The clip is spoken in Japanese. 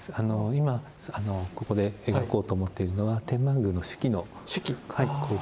今ここで描こうと思っているのは天満宮の四季の光景を。